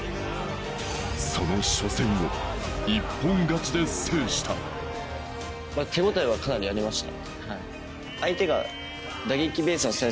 その初戦を一本勝ちで制した手応えはかなりありました